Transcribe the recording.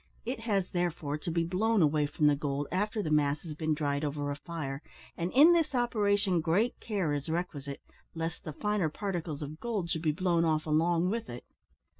It has therefore to be blown away from the gold after the mass has been dried over a fire, and in this operation great care is requisite lest the finer particles of gold should be blown off along with it.